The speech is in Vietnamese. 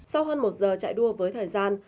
sau hơn một giờ chạy đua với thời gian